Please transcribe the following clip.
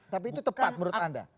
tapi itu tepat menurut anda